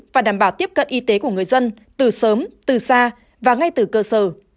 và đảm bảo tiếp cận y tế của người dân từ sớm từ xa và ngay từ cơ sở